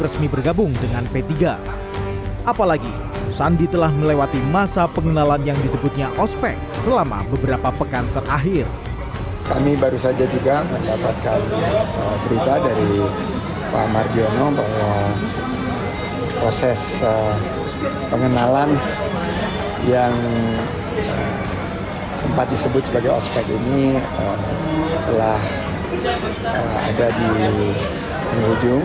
sebuah komitmen dan ini tentunya kami sangat menambahkan